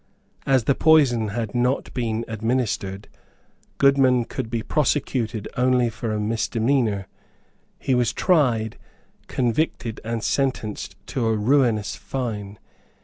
As the poison had not been administered, Goodman could be prosecuted only for a misdemeanour. He was tried, convicted and sentenced to a ruinous fine.